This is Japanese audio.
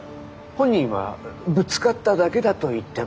本人はぶつかっただけだと言ってます。